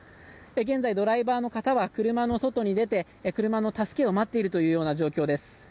現在、ドライバーの方は車の外に出て、車の助けを待っているという状況です。